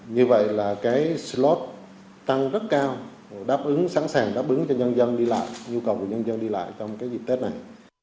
như vậy là cái slot tăng rất cao đáp ứng sẵn sàng đáp ứng cho nhân dân đi lại nhu cầu của nhân dân đi lại trong cái dịp tết này